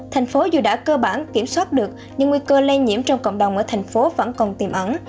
thành phố dù đã cơ bản kiểm soát được nhưng nguy cơ lây nhiễm trong cộng đồng ở thành phố vẫn còn tiềm ẩn